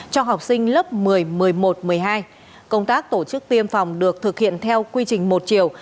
cho học sinh lớp một mươi một mươi một một mươi hai công tác tổ chức tiêm phòng được thực hiện theo quy trình một chiều